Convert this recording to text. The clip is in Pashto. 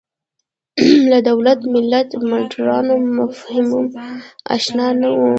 له دولت ملت مډرنو مفاهیمو اشنا نه وو